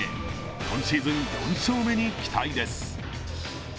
今シーズン４勝目に期待です。